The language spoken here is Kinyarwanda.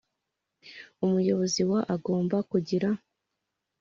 Umuyobozi wa agomba kugira